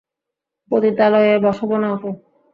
পতিতালয়ে বসাবো না ওকে।